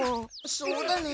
そうだね。